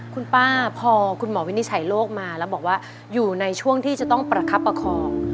คุณป้าพอคุณหมอวินิจฉัยโรคมาแล้วบอกว่าอยู่ในช่วงที่จะต้องประคับประคอง